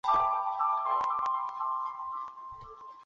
近日被缉事衙门指他散播妖言而逮捕他。